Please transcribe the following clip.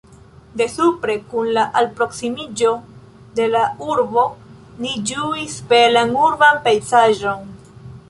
De supre, kun la alproksimiĝo de la urbo ni ĝuis belan urban pejzaĝon.